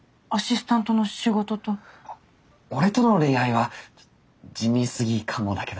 俺との恋愛は地味すぎかもだけど。